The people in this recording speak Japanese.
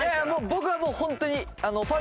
僕はもうホントに。